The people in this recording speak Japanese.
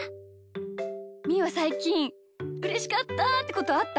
みーはさいきんうれしかったってことあった？